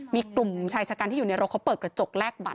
มีกลุ่มชายชะกันที่อยู่ในรถเขาเปิดกระจกแลกบัต